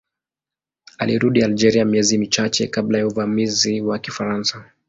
Alirudi Algeria miezi michache kabla ya uvamizi wa Kifaransa.